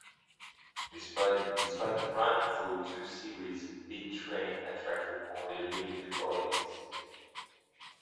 Despite running for two series, "Big Train" attracted only a limited audience.